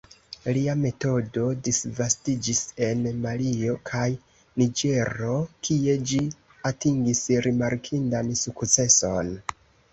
Lia metodo disvastiĝis en Malio kaj Niĝero, kie ĝi atingis rimarkindan sukceson.